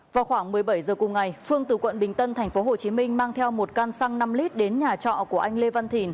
vào khoảng một mươi bảy h cùng ngày phương từ quận bình tân tp hcm mang theo một căn xăng năm lít đến nhà trọ của anh lê văn thìn